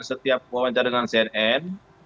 setiap wawancara dengan cnn